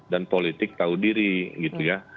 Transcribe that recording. dan politik tahu diri gitu ya